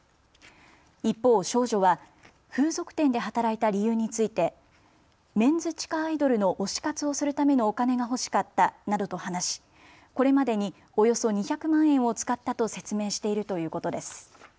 一方、少女は風俗店で働いた理由についてメンズ地下アイドルの推し活をするためのお金が欲しかったなどと話し、これまでにおよそ２００万円を使ったと説明しているということです。